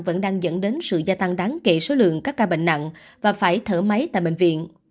vẫn đang dẫn đến sự gia tăng đáng kể số lượng các ca bệnh nặng và phải thở máy tại bệnh viện